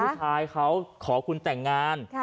ผู้ชายเขาขอคุณแต่งงาน